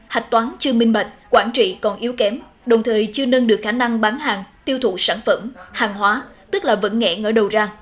hạch toán chưa minh mạch quản trị còn yếu kém đồng thời chưa nâng được khả năng bán hàng tiêu thụ sản phẩm hàng hóa tức là vẫn nghẹn ở đầu ra